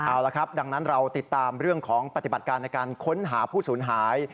เอาละครับดังนั้นเราติดตามเรื่องของปฏิบัติการในการค้นหาผู้สูญหาย